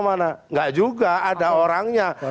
mana nggak juga ada orangnya